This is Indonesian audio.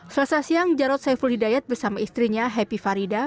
selasa siang jarod saiful hidayat bersama istrinya happy farida